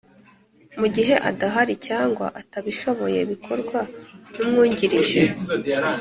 Mugihe adahari cyangwa atabishoboye bikorwa n’umwungirije